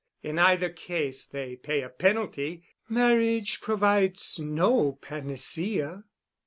In either case they pay a penalty. Marriage provides no panacea.